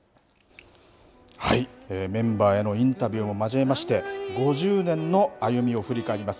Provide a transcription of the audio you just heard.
はい、メンバーへのインタビューを交えまして５０年の歩みを振り返ります